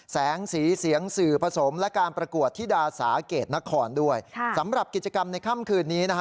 แสงสีเสียงสื่อผสมและการประกวดธิดาสาเกตนครด้วยสำหรับกิจกรรมในค่ำคืนนี้นะฮะ